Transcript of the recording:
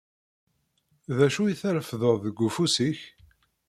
D acu i trefdeḍ deg ufus-ik?